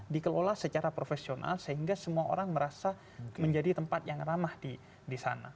dikelola secara profesional sehingga semua orang merasa menjadi tempat yang ramah di sana